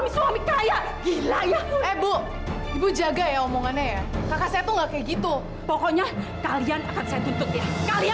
sampai jumpa di video selanjutnya